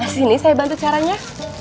sini saya bantu caranya